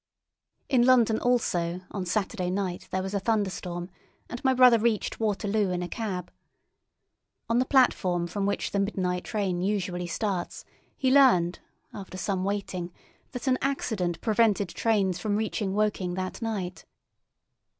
In London, also, on Saturday night there was a thunderstorm, and my brother reached Waterloo in a cab. On the platform from which the midnight train usually starts he learned, after some waiting, that an accident prevented trains from reaching Woking that night.